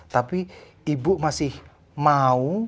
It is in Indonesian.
tapi ibu masih mau